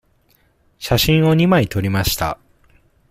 写真を二枚撮りました。